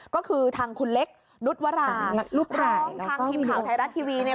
ก็คือทางคุณเล็กนุษย์วราร้องทางทีมข่าวไทยรัฐทีวีเนี่ย